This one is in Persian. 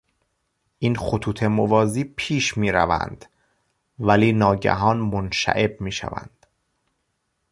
این خطوط موازی پیش میروند ولی ناگهان منشعب میشوند.